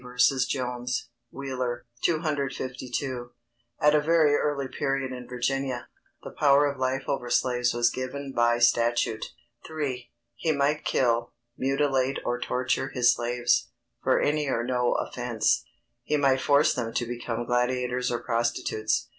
v. Jones. Wheeler, 252.] At a very early period in Virginia, the power of life over slaves was given by statute. III. _He might kill, mutilate or torture his slaves, for any or no offence; he might force them to become gladiators or prostitutes_.